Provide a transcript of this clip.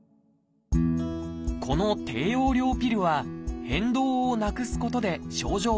この低用量ピルは変動をなくすことで症状を改善します。